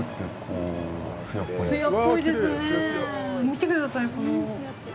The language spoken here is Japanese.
見てください。